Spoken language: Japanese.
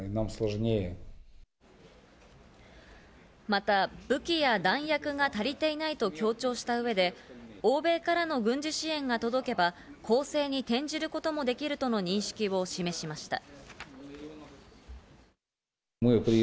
また武器や弾薬が足りていないと強調した上で欧米からの軍事支援が届けば攻勢に転じることもできるとの認識を示しました。